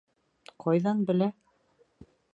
Ҡайҙан белә?